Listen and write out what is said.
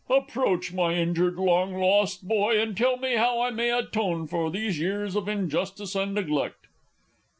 Approach, my injured, long lost boy, and tell me how I may atone for these years of injustice and neglect!